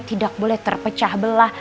tidak boleh terpecah belah